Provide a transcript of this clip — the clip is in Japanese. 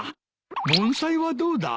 盆栽はどうだ？